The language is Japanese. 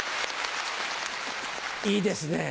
いいですね。